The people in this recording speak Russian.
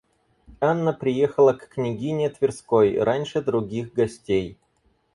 Анна приехала к княгине Тверской раньше других гостей.